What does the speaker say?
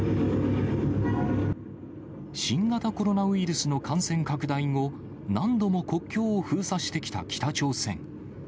新型コロナウイルスの感染拡大後、何度も国境を封鎖してきた北朝鮮。